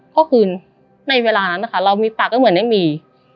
ก็คือในเวลานั้นนะคะเรามีปากก็เหมือนไม่มี